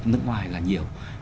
nước ngoài là nhiều